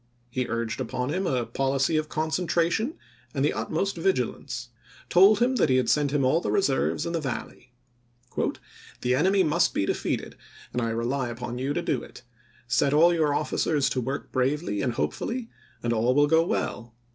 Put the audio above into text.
He urged upon him a policy of concentration and the utmost vigilance ; told him he had sent him all the reserves in the Valley. " The enemy must be defeated and I rely upon you to do it. .. Set all your officers to work bravely and hopefully and all will go well.